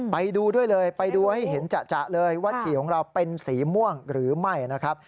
ไปดูด้วยเลยไปดูให้เห็นจะเลยว่าฉี่ของเราเป็นสีม่วงหรือไม่นะครับ